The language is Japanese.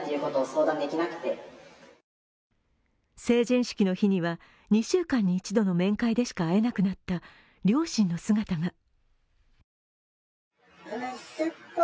成人式の日には２週間に１度の面会でしか会えなくなった両親の姿が。